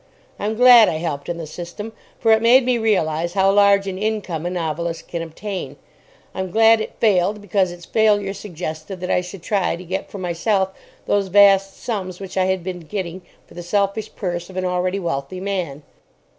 I'm glad I helped in the system, for it made me realise how large an income a novelist can obtain. I'm glad it failed because its failure suggested that I should try to get for myself those vast sums which I had been getting for the selfish purse of an already wealthy man.